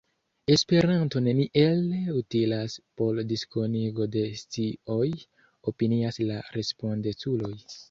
Esperanto neniel utilas por diskonigo de scioj, opinias la respondeculoj.